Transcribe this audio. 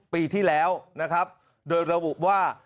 ปีที่แล้วโดยระบุว่า